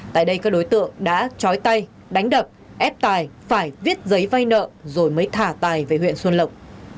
tại đây các đối tượng đã chói tay đánh đập ép tài phải viết giấy vay nợ rồi mới thả tài về huyện xuân lộc